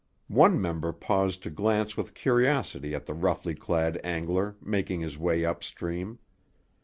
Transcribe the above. One member paused to glance with curiosity at the roughly clad angler making his way up stream.